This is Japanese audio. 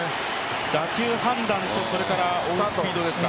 打球判断と追うスピードですか？